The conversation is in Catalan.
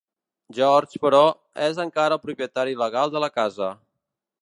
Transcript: George, però, és encara el propietari legal de la casa.